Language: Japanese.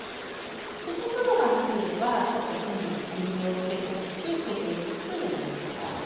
手袋がなければちょっと手にお水をつけたりして成形するとやりやすいです。